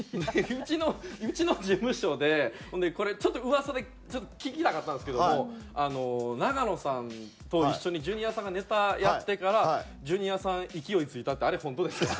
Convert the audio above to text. うちのうちの事務所でこれちょっと噂で聞きたかったんですけども永野さんと一緒にジュニアさんがネタやってからジュニアさん勢いついたってあれ本当ですか？